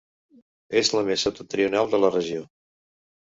És la més septentrional de la regió.